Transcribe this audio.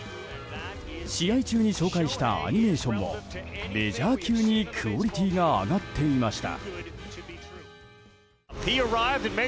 試合中に紹介したアニメーションもメジャー級にクオリティーが上がっていました。